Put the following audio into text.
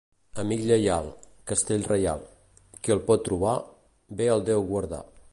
Amic lleial, castell reial; qui el pot trobar, bé el deu guardar.